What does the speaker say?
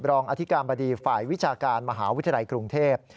รองอธิการบดีฝ่ายวิชาการมหาวิทยาลัยกรุงเทพ